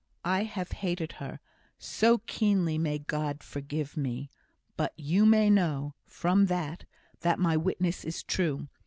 I have hated her so keenly, may God forgive me! but you may know, from that, that my witness is true.